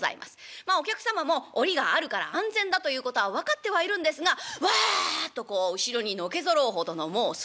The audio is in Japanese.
まあお客様も檻があるから安全だということは分かってはいるんですがわあっとこう後ろにのけぞるほどのもうすさまじい迫力でございまして。